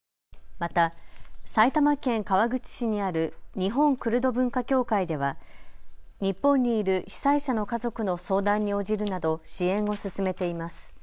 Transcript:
また埼玉県川口市にある日本クルド文化協会では日本にいる被災者の家族の相談に応じるなど支援を進めています。